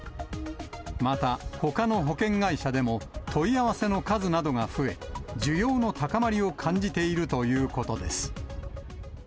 またほかの保険会社でも問い合わせの数などが増え、需要の高まりを感じているということです。